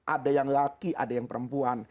ada yang laki ada yang perempuan